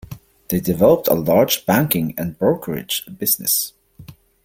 They developed a large banking and brokerage business.